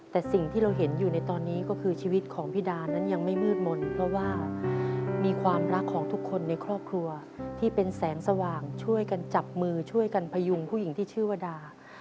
แต่สิ่งที่เราเห็นอยู่ในตอนนี้ก็คือชีวิตของพี่ดานั้นยังไม่มืดมนต์เพราะว่ามีความรักของทุกคนในครอบครัวที่เป็นแสงสว่างช่วยกันจับมือช่วยกันพยุงผู้หญิงที่ชื่อวดา